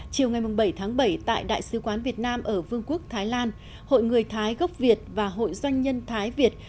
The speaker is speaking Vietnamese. chiều ngày bảy tháng bảy tại đại sứ quán việt nam ở vương quốc thái lan hội người thái gốc việt và hội doanh nhân thái việt